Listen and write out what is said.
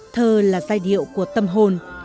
thơ là giai điệu của tâm hồn